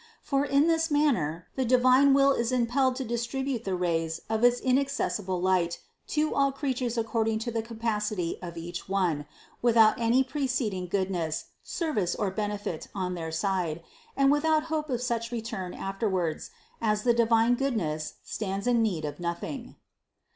For in this manner the divine Will is im pelled to distribute the rays of its inaccessible light to all creatures according to the capacity of each one, without any preceding goodness, service or benefit on their side, and without hope of such return afterwards, as the divine Goodness stands in need of nothing.